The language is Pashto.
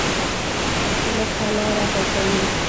مخه لاره پاکوي.